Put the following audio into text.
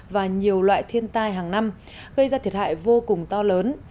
và nhiều loại thiên tai hàng năm gây ra thiệt hại vô cùng to lớn